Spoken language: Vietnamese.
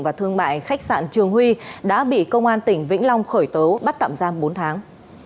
và thương mại khách sạn trường huy đã bị công an tỉnh vĩnh long khởi tố bắt tạm giam bốn tháng